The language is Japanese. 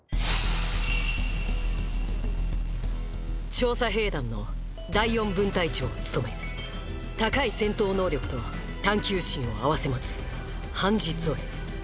調査兵団の第４分隊長を務め高い戦闘能力と探究心を併せ持つハンジ・ゾエ。